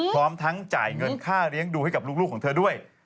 พร้อมทั้งจ่ายเงินค่าเลี้ยงดูให้กับลูกของเธอด้วย